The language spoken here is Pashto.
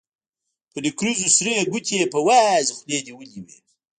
په نکريزو سرې ګوتې يې په وازې خولې نيولې وې.